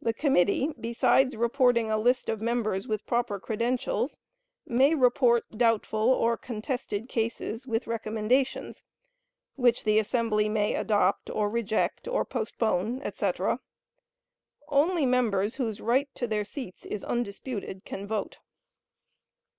The committee, beside reporting a list of members with proper credentials, may report doubtful or contested cases, with recommendations, which the assembly may adopt, or reject, or postpone, etc. Only members whose right to their seats is undisputed, can vote.